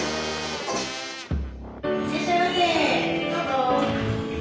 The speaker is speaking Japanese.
いらっしゃいませどうぞ。